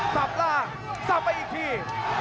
ทรัพย์ล่างทรัพย์ไปอีกที